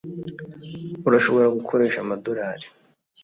Urashobora gukoresha amadorari .